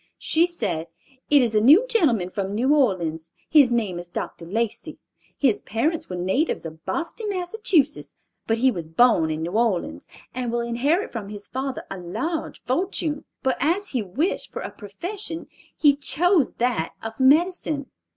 She said, "It is a new gentleman from New Orleans. His name is Dr. Lacey. His parents were natives of Boston, Massachusetts, but he was born in New Orleans, and will inherit from his father a large fortune; but as he wished for a profession, he chose that of medicine.